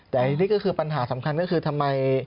แต่อันนี้ก็คือปัญหาสำคัญก็คือทำไม